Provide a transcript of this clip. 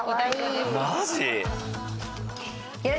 マジ？